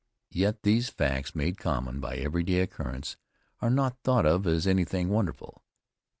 Yet these facts made common by every day occurrence, are not thought of as anything wonderful.